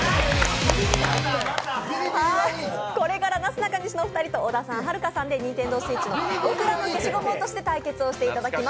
これからなすなかにしのお二人と小田さん、はるかさんでＮｉｎｔｅｎｄｏＳｗｉｔｃｈの「ボクらの消しゴム落とし」で対決していただきます。